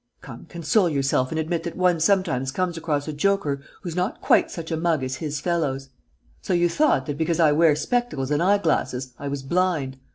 Come, console yourself and admit that one sometimes comes across a joker who's not quite such a mug as his fellows. So you thought that, because I wear spectacles and eye glasses, I was blind?